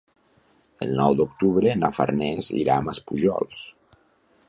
El nou d'octubre na Farners irà a Maspujols.